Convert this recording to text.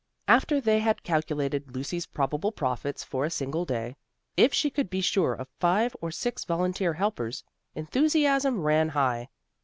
After they had calculated Lucy's probable profits for a single day, if she could be sure of five or six volunteer helpers, enthusiasm ran high.